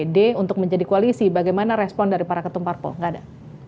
d untuk menjadi koalisi bagaimana respon dari para ketumparpol nggak ada